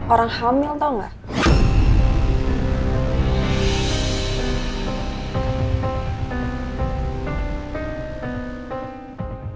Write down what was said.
orang hamil tau gak